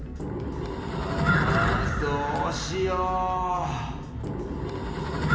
あどうしよう？